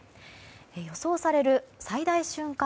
予想される最大瞬間